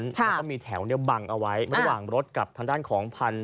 แล้วก็มีแถวบังเอาไว้ระหว่างรถกับทางด้านของพันธุ